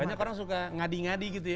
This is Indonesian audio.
banyak orang suka ngadi ngadi gitu ya